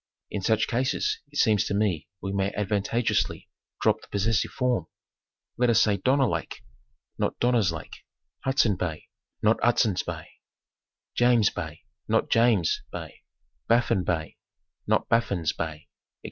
In such cases it seems to me we may advantageously drop the possessive form. Let us say Donner Lake, not Donner's Lake, Hudson Bay, not Hudson's Bay, James Bay, not James' Bay, Baffin Bay, not Baffin's Bay, etc.